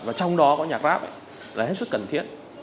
và trong đó có nhạc rap ấy là hết sức cần thiết